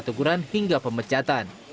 teguran hingga pemecatan